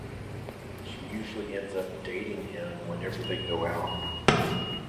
She usually ends up "dating" him whenever they go out.